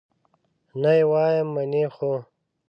نه یې وایم، منې خو؟